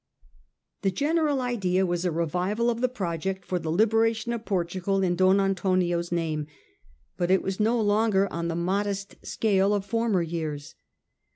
The general idea was a revival of the project tor the liberation of Portugal in Don Antonio's name, but it was no longer on the modest scale of former years.